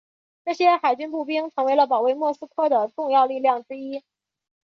这些海军步兵成为了保卫莫斯科的重要力量之一。